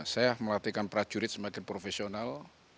saya melatihkan prajurit semakin profesional